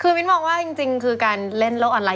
คือมิ้นมองว่าจริงคือการเล่นโลกออนไลน